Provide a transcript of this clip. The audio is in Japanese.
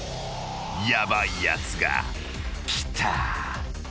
［ヤバいやつが来た］